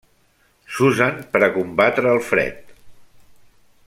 S'usen per a combatre el fred.